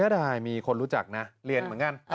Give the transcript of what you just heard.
ได้มีคนรู้จักนะเรียนเหมือนกัน